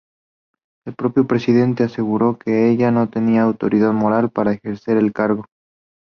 El propio presidente aseguró que ella "no tiene autoridad moral" para ejercer el cargo.